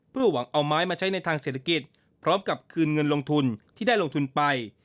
เพื่อหวังเอาไม้มาใช้ในทางเศรษฐกิจพร้อมกับคืนเงินลงทุนที่ได้ลงทุนไป